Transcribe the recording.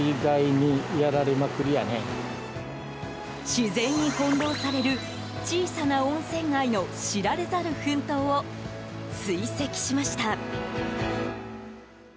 自然に翻弄される小さな温泉街の知られざる奮闘を追跡しました。